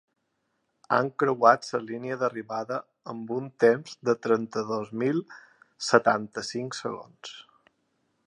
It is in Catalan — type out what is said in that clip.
Han creuat la línia d’arribada amb un temps de trenta-dos mil setanta-cinc segons.